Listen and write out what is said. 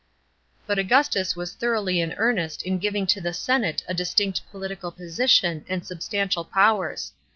But Augustus was thoroughly in earnest in giving to the senate a distinct political position and substantial powers.